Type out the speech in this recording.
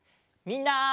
みんな！